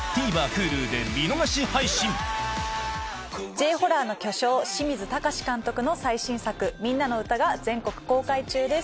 Ｊホラーの巨匠清水崇監督の最新作『ミンナのウタ』が全国公開中です。